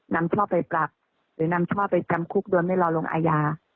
นำช่อไปปรับหรือนำช่อไปจำคุกโดยไม่รอลงอาญา